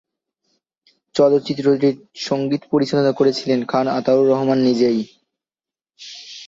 চলচ্চিত্রটির সঙ্গীত পরিচালনা করেছিলেন খান আতাউর রহমান নিজেই।